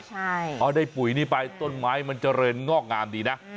พอได้ปุ๋ยนี้ไปต้นไม้มันเจริญงอกงามดีนะ